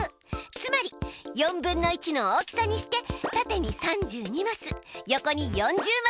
つまり４分の１の大きさにして縦に３２マス横に４０マス並べるようにしたの。